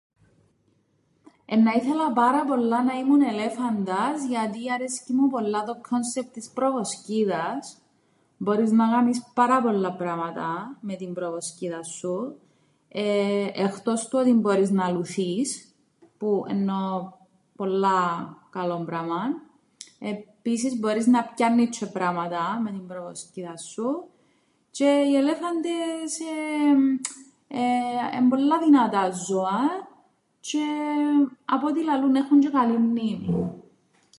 Έννα ήθελα πάρα πολλά να ήμουν ελέφαντας, γιατί αρέσκει μου πολλά το κόνσεπτ της προβοσκίδας, μπορείς να κάμεις πάρα πολλά πράματα με την προβοσκίδα σου. Εχτός του ότι μπορείς να λουθείς, που εννοώ, πολλά καλόν πράμαν, επίσης μπορείς να πιάννεις τžαι πράματα με την προβοσκίδαν σου τžαι οι ελέφαντες εν' πολλά δυνατά ζώα τžαι απ' ό,τι λαλούν έχουν τžαι καλήν μνήμην.